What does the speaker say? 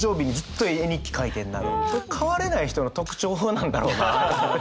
変われない人の特徴なんだろうなって。